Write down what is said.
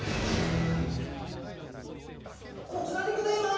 こちらでギョざいます！